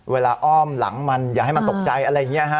อ้อมหลังมันอย่าให้มันตกใจอะไรอย่างนี้ฮะ